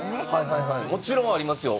もちろんありますよ。